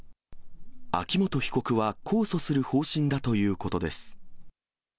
秋元被告は控訴する方針だということです。